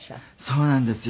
そうなんですよ。